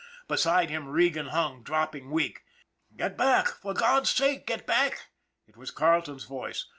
Beside him Regan hung, dropping weak. " Get back, for God's sake, get back!" it was Carleton's voice.